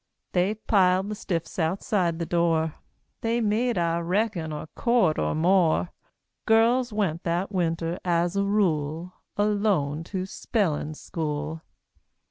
They piled the stiffs outside the door; They made, I reckon, a cord or more. Girls went that winter, as a rule, Alone to spellin' school.